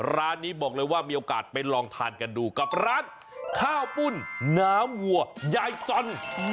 ร้านนี้บอกเลยว่ามีโอกาสไปลองทานกันดูกับร้านข้าวปุ้นน้ำวัวยายซอน